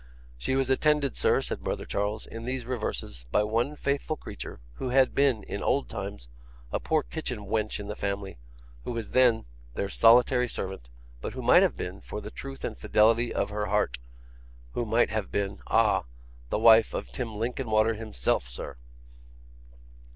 She was attended, sir,' said brother Charles, 'in these reverses, by one faithful creature, who had been, in old times, a poor kitchen wench in the family, who was then their solitary servant, but who might have been, for the truth and fidelity of her heart who might have been ah! the wife of Tim Linkinwater himself, sir!